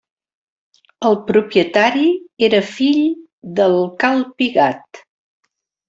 El propietari era fill del Cal Pigat.